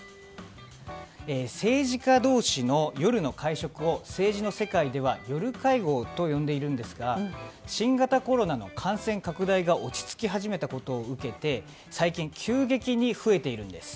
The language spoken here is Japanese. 政治家同士の夜の会食を政治の世界では夜会合と呼んでいるんですが新型コロナの感染拡大が落ち着き始めたことを受けて最近、急激に増えているんです。